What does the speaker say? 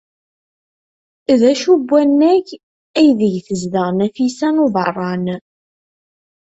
D acu n wannag aydeg tezdeɣ Nafisa n Ubeṛṛan?